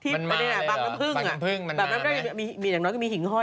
ที่บ้านน้ำผึ้งอ่ะแบบนั้นมีอย่างน้อยก็มีหิงห้อยอ่ะ